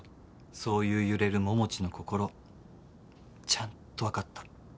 そういう揺れる桃地の心ちゃんとわかった。